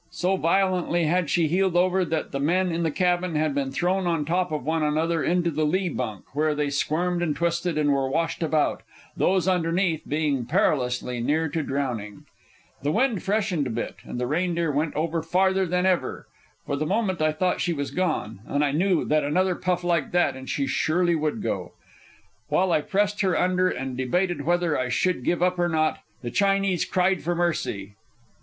So violently had she heeled over, that the men in the cabin had been thrown on top of one another into the lee bunk, where they squirmed and twisted and were washed about, those underneath being perilously near to drowning. The wind freshened a bit, and the Reindeer went over farther than ever. For the moment I thought she was gone, and I knew that another puff like that and she surely would go. While I pressed her under and debated whether I should give up or not, the Chinese cried for mercy.